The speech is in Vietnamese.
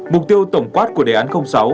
mục tiêu tổng quát của đề án sáu